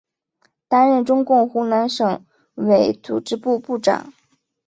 担任中共湖南省委组织部部长。